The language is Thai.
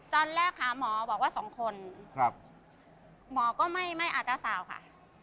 ตอนแรกค่ะหมอบอกว่าสองคนครับหมอก็ไม่ไม่อาจจะสาวค่ะ